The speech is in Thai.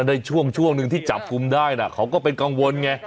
เออแล้วในช่วงนึงที่จับกลุ้มได้นะเขาก็เป็นกังวลไง